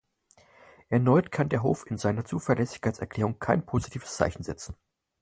Erneut kann der Hof in seiner Zuverlässigkeitserklärung kein positives Zeichen setzen.